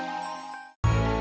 kamu ngejar apa sih man